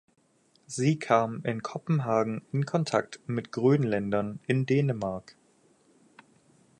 Sie kam in Kopenhagen in Kontakt mit Grönländern in Dänemark.